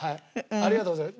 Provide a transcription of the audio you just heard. ありがとうございます。